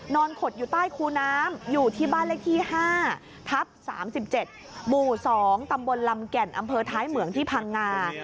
ขดอยู่ใต้คูน้ำอยู่ที่บ้านเลขที่๕ทับ๓๗หมู่๒ตำบลลำแก่นอำเภอท้ายเหมืองที่พังงา